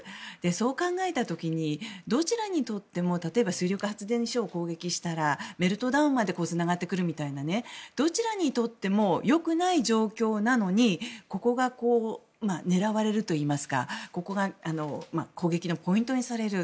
そう考えた時にどちらにとっても例えば水力発電所を攻撃したらメルトダウンまでつながってくるみたいなどちらにとっても良くない状況なのにここが狙われるといいますかここが攻撃のポイントにされる。